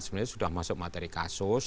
sebenarnya sudah masuk materi kasus